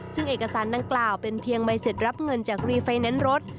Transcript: ซึ่งเอกสารดังกล่าวเป็นเพียงใบเสร็จรับเงินจากรีไฟแนนซ์รถ